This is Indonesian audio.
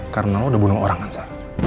karena lo udah bunuh orang ansa